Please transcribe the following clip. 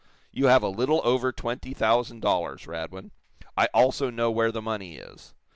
"You have a little over twenty thousand dollars, Radwin. I also know where the money is.